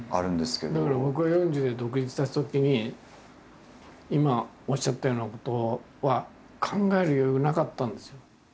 だけど僕が４０で独立したときに今おっしゃったようなことは考える余裕がなかったんですよ。